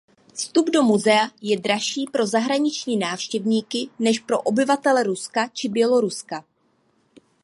Vstup do muzea je dražší pro zahraniční návštěvníky než pro obyvatele Ruska či Běloruska.